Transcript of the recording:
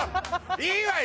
いいわよ！